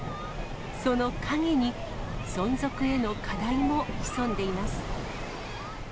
その陰に、存続への課題も潜んでいます。